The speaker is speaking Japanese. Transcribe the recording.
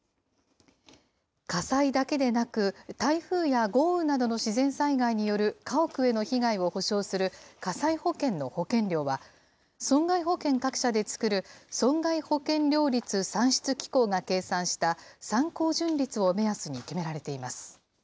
火災だけでなく、台風や豪雨などの自然災害による家屋への被害を補償する火災保険の保険料は、損害保険各社で作る損害保険料率算出機構が計算した参考純率を目安に決められています。